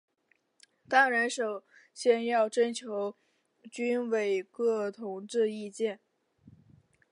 当然首先要征求军委各同志意见。